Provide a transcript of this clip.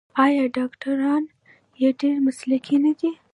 آیا ډاکټران یې ډیر مسلکي نه دي؟